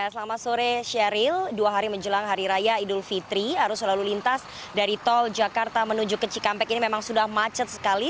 selamat sore sheryl dua hari menjelang hari raya idul fitri arus lalu lintas dari tol jakarta menuju ke cikampek ini memang sudah macet sekali